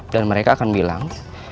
dan mereka akan bilang